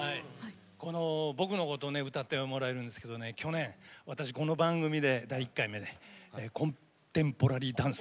この「僕のこと」を歌ってもらえるんですが去年、私この番組、第１回目でコンテンポラリーダンス。